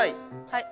はい。